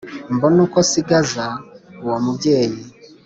mbone uko nsingiza uwo mubyeyi